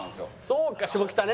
そうか下北ね。